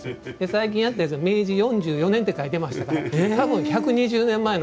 最近やったやつは明治４４年って書いてましたから多分１２０年前のたんす。